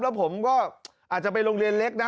แล้วผมก็อาจจะไปโรงเรียนเล็กนะ